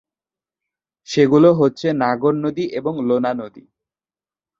সেগুলো হচ্ছে নাগর নদী এবং লোনা নদী।